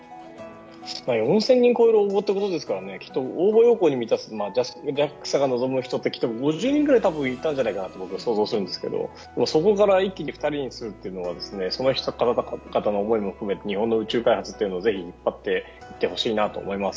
４０００人を超える応募ということですからきっと応募要項を満たすＪＡＸＡが望む人ってきっと５０人ぐらいいたんじゃないかなと思うんですがそこから一気に２人にするのはその人たちの思いを含めて日本の宇宙開発というのをぜひ引っ張っていってほしいなと思います。